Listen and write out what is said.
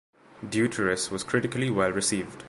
"Deuteros" was critically well received.